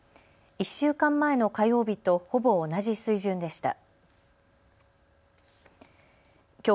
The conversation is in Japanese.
１週間前の火曜日とほぼ同じ水準でした。